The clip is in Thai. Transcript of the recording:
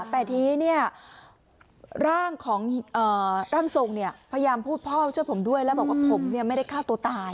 แต่ทีนี้ร่างของร่างทรงพยายามพูดพ่อช่วยผมด้วยแล้วบอกว่าผมไม่ได้ฆ่าตัวตาย